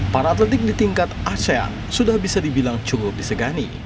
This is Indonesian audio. para atlet di tingkat asean sudah bisa dibilang cukup disegani